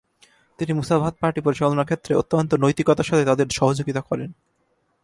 তিনি Musavat party পরিচালনার ক্ষেত্রে অত্যন্ত নৈতিকতার সাথে তাদের সহযোগীতা করেন।